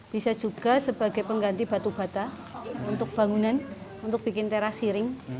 bisa juga sebagai pengganti batu bata untuk bangunan untuk bikin teras siring